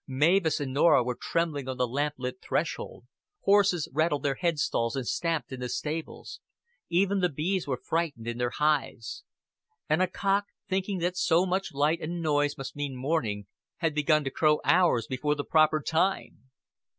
Mavis and Norah were trembling on the lamplit threshold; horses rattled their head stalls and stamped in the stables; even the bees were frightened in their hives. And a cock, thinking that so much light and noise must mean morning, had begun to crow hours before the proper time.